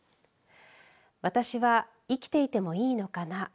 私は生きていてもいいのかな。